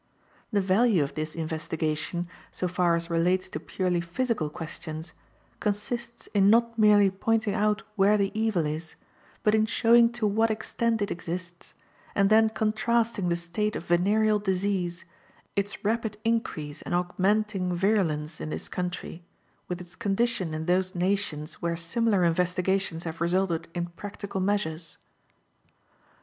The value of this investigation, so far as relates to purely physical questions, consists in not merely pointing out where the evil is, but in showing to what extent it exists, and then contrasting the state of venereal disease, its rapid increase and augmenting virulence in this country, with its condition in those nations where similar investigations have resulted in practical measures.